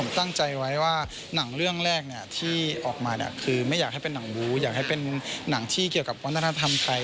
ตั้งใจไว้ว่าหนังเรื่องแรกที่ออกมาคือไม่อยากให้เป็นหนังบูอยากให้เป็นหนังที่เกี่ยวกับวัฒนธรรมไทย